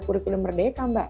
kurikulum merdeka mbak